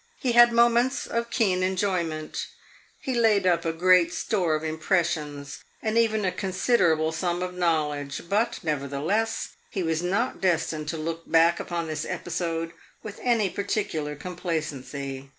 He had moments of keen enjoyment; he laid up a great store of impressions and even a considerable sum of knowledge. But, nevertheless, he was not destined to look back upon this episode with any particular complacency.